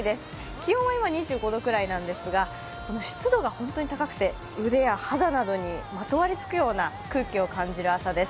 気温は今２５度くらいなんですが、湿度が本当に高くて、腕や肌などにまとわりつくような空気を感じる朝です。